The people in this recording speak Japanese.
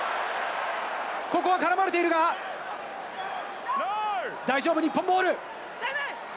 ここは絡まれているが、大丈夫、日本ボール。